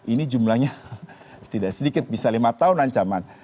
ini jumlahnya tidak sedikit bisa lima tahun ancaman